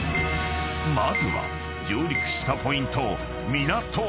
［まずは上陸したポイント］